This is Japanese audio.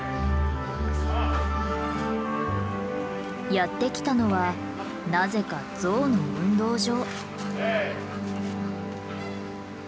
やってきたのはなぜかゾウの運動場。